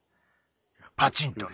パチンとな。